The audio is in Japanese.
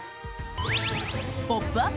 「ポップＵＰ！」